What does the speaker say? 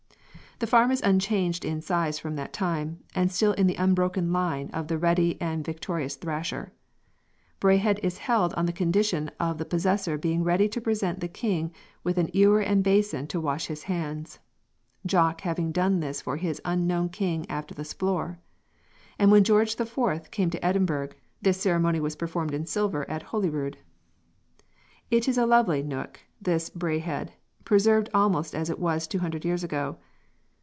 The farm is unchanged in size from that time, and still in the unbroken line of the ready and victorious thrasher. Braehead is held on the condition of the possessor being ready to present the King with a ewer and basin to wash his hands, Jock having done this for his unknown king after the splore; and when George the Fourth came to Edinburgh, this ceremony was performed in silver at Holyrood. It is a lovely neuk, this Braehead, preserved almost as it was two hundred years ago.